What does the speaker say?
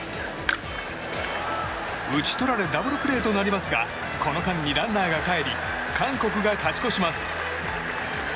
打ち取られダブルプレーとなりますがこの間にランナーがかえり韓国が勝ち越します。